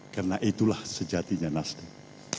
karena itulah sejatinya nasdem